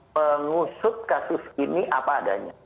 mengusut kasus ini apa adanya